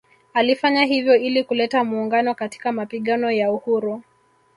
Alifanya hivyo ili kuleta muungano katika mapigano ya uhuru